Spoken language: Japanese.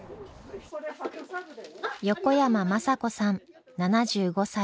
横山眞佐子さん７５歳。